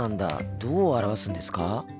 どう表すんですか？